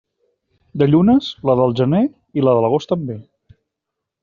De llunes, la del gener i la de l'agost també.